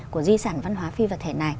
của di sản văn hóa phi vật thể này